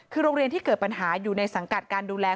คือโรงเรียนที่เกิดปัญหาอยู่ในสังกัดการดูแล